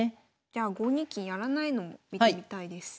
じゃあ５二金やらないのも見てみたいです。